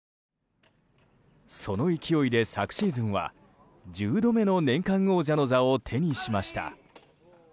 その勢いで昨シーズンは１０度目の年間王者の座を手にしました。